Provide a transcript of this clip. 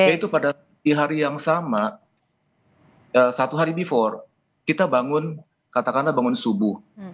yaitu pada di hari yang sama satu hari before kita bangun katakanlah bangun subuh